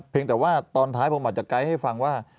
แต่ว่าตอนท้ายผมอาจจะไกด์ให้ฟังว่า